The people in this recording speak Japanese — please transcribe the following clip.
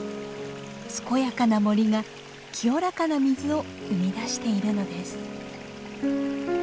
健やかな森が清らかな水を生み出しているのです。